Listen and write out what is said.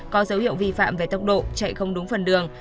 có dấu hiệu vi phạm về tốc độ chạy không đúng phần đường